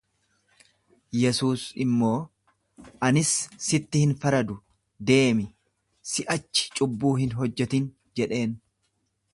Yesuus immoo, Anis sitti hin faradu; deemi, si'achi cubbuu hin hojjetin jedheen.